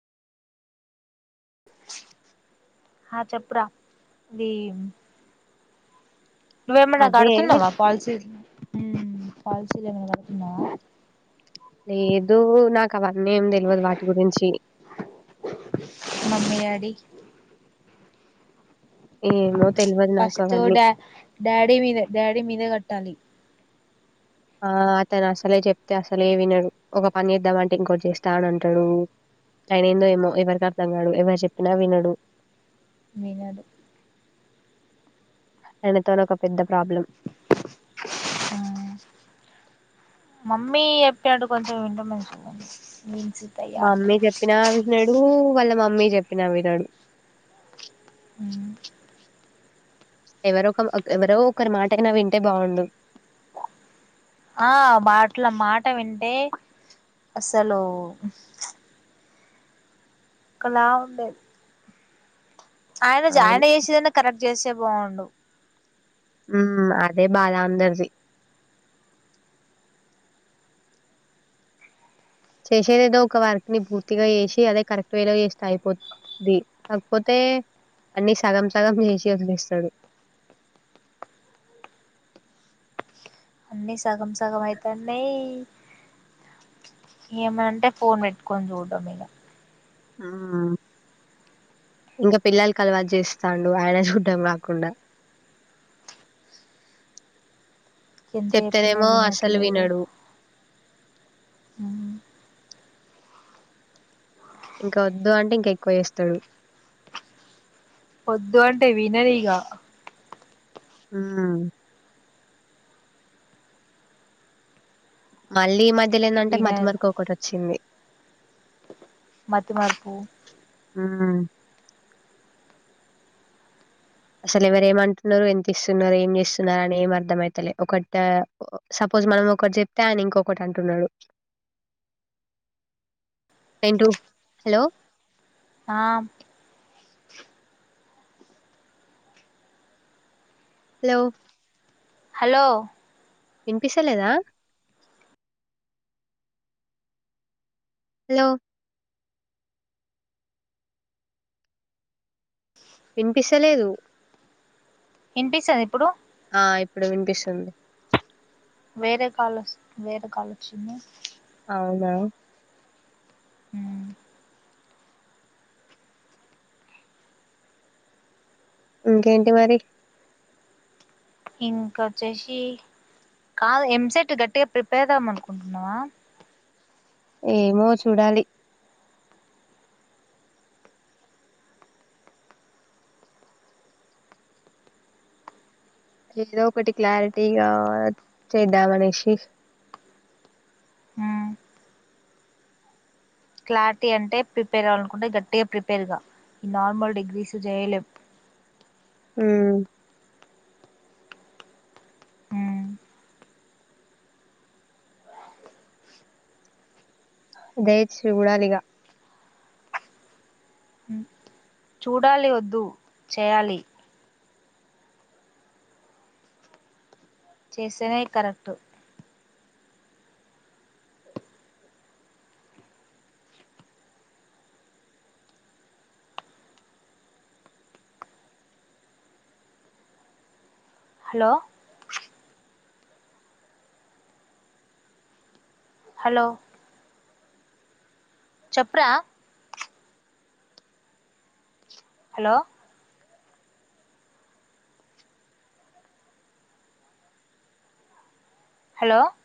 ఆ చెప్పురా ఇది నువ్వేమైన్నా నా అదే కడుతున్నావా పాలసీ పాలసీలు ఏమైనా కడుతున్నావా, లేదు నాకు అవన్నీ ఏం తెలియదు వాటి గురించి, మమ్మీ ఏమో తెల్వదు నాకు ఫస్ట్ అవన్నీ. డాడీ మీద డాడీ మీదే కట్టాలి. ఆ అతను అసలే చెప్తే అసలే వినడు ఒక పని చేద్దామంటే ఇంకొచ్చ చేస్తా అని అంటాడు. ఆయన ఏందో ఏమో ఎవరికి అ తంగాడు ఎవరు చెప్పినా వినడు, వినరు ఆయనతోని ఒక పెద్ద ప్రాబ్లం మమ్మీ ఎప్పినట్టు కొంచెం వింటె మంచిగుండు మమ్మి చెప్పినా వినడూ వాళ్ళ మమ్మి చెప్పినా వినడు ఊ ఎవరోక ఒక ఎవరో ఒకరి మాటైనా వింటే బాగుండు ఆ మాట్ల మాట వింటే అసలూ ఒకలా ఉండేది ఆయన జ అవును ఆయన చేసేదన్న కరెక్ట్ చేస్తే బావుండు ఉమ్ అదే బాద అందరిది చేసేదదో ఒక వర్క్ ని పూర్తిగా చేసి అదే కరెక్ట్ వేలో చేస్తే అయిపోతుంది కాక్ పోతే తే అన్నీ సగం సగం చేసే వదిలేస్తడు అన్నీ సగం సగం అయితన్నయ్ ఏమంటే ఫోన్ పెట్టుకొని చూడ్డం ఇగ ఊ ఇంక పిల్లల్కలవాటు చేస్తాడు ఆయన చూడ్డం కాకుండా ఎంత చెప్పినా చెప్తెనేమో అస్సలు వినట్లేదు వినడు అ ఇంక వద్దు అంటె ఇంక ఎక్కువ చేస్తడు ఒద్దు అంటే వినదిగా ఊ మళ్ళీ ఈ మధ్యలేందంటే మతి వినర్ మరకొకటొచ్చింది మతిమర్పు అసలెవరేమంటున్నరు ఎంతిస్తున్నరు ఏం చేస్తున్నరని ఏం అర్థమైతలే ఒకటా ఒ సపో రోజు మనం ఒకటి చెప్తే ఆయన ఇంకొకటి అంటున్నడు ఏంటూ హలో హా హలో హలో ఇనిపిస్తలేదా హలో ఇనిపిస్తలేదు ఇనిపిస్తదిప్పుడు ఆ ఇప్పుడు వినిపిస్తుంది వేరే కాలొస్ వేరే కాలొచ్చింది అవునా ఊ ఇంకేంటి మరి ఇంక ఒచ్చేషీ కాదు ఎం సెట్ గట్టిగ ప్రిపేర్ అవుమనుకుంటున్నావా ఏమో చూడాలి ఏదో ఒకటి క్లారిటీగా చేద్దాం అనేషి మ్మ్ క్లారిటీ అంటే ప్రిపేర్ అవ్వలనుకుంటే గట్టిగ ప్రిపేర్గా ఈ నార్మల్ డిగ్రీస్ జేయలేం ఉమ్ మ్మ్ వే చూడాలిగ చూడాలి ఒద్దు చేయాలి చేస్తేనే కరెక్టు హలో హలో చెప్ రా హలో హలో